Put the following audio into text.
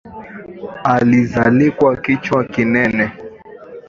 Alizalikwa kichwa kinene